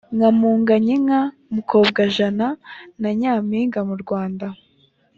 nka munganyinka mukobwajana na nyampinga mu rwanda